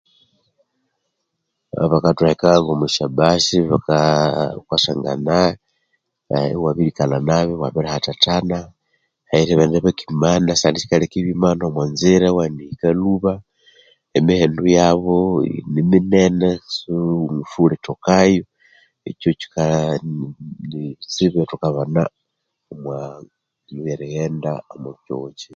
Bathuheka omwa syabus esiwangatoka erimana nemihendo yabo niminene